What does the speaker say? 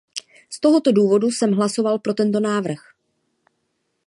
Z tohoto důvodu jsem hlasoval pro tento návrh.